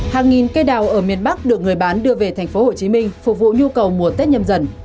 hàng nghìn cây đào ở miền bắc được người bán đưa về tp hcm phục vụ nhu cầu mùa tết nhâm dần